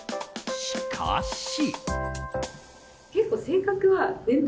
しかし。